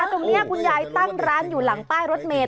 ตรงนี้คุณยายตั้งร้านอยู่หลังป้ายรถเมตร